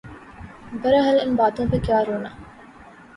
بہرحال ان باتوں پہ کیا رونا۔